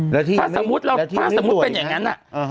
ถ้าสมมุติเป็นอย่างงัน